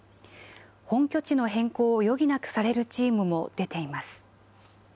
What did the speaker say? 本拠地の変更を余儀なくされるチームも出ています。